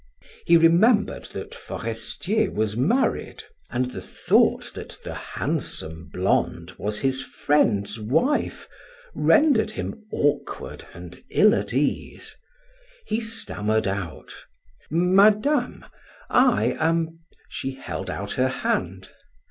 He remembered that Forestier was married, and the thought that the handsome blonde was his friend's wife rendered him awkward and ill at ease. He stammered out: "Madame, I am " She held out her hand.